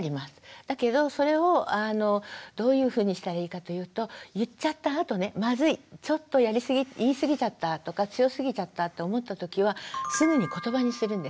だけどそれをどういうふうにしたらいいかというと言っちゃったあとねまずいちょっと言いすぎちゃったとか強すぎちゃったと思ったときはすぐにことばにするんです。